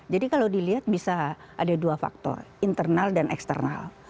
jadi kalau dilihat bisa ada dua faktor internal dan eksternal